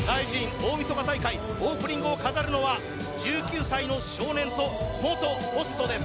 大みそか大会オープニングを飾るのは１９歳の少年と元ホストです。